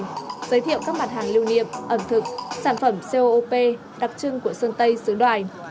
giới thiệu các mặt hàng lưu niệm ẩn thực sản phẩm coop đặc trưng của sơn tây sứ đoài